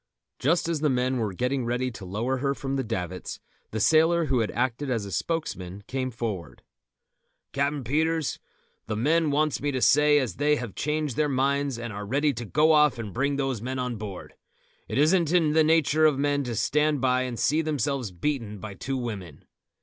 Just as the men were getting ready to lower her from the davits, the sailor who had acted as spokesman came forward. "Captain Peters, the men wants me to say as they have changed their minds and are ready to go off and bring those men on board. It isn't in nature for men to stand by and see themselves beaten by two women."